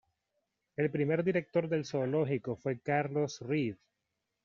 El primer director del zoológico fue Carlos Reed.